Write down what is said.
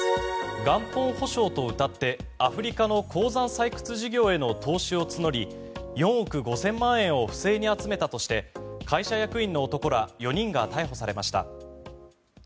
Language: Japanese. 元本保証とうたってアフリカの鉱山採掘事業への投資を募り、４億５０００万円を不正に集めたとして会社役員の男ら４人が逮捕されました。